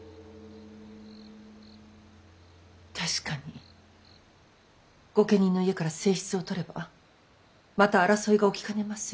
確かに御家人の家から正室を取ればまた争いが起きかねません。